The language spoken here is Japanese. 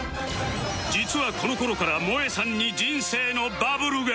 実はこの頃からもえさんに人生のバブルが